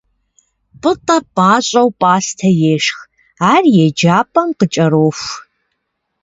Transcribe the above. Пӏытӏэ пӏащӏэу пӏастэ ешх, ар еджапӏэм къыкӏэроху.